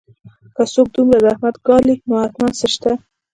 که څوک دومره زحمت ګالي نو حتماً څه شته